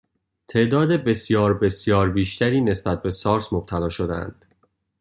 تعداد بسیار بسیار بیشتری نسبت به سارس مبتلا شدهاند